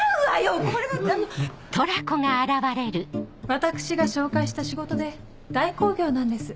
私が紹介した仕事で代行業なんです。